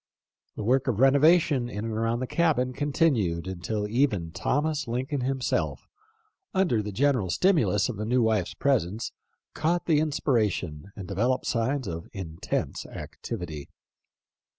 The work of renovation in and around the cabin continued until even Thomas Lincoln himself, under the general stimulus of the new wife's presence, caught the inspiration, and developed signs of intense activity.